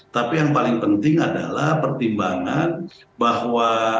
tapi yang paling penting adalah pertimbangan bahwa